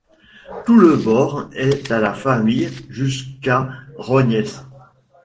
Tout le bord est à la famille, jusqu’à Rognes.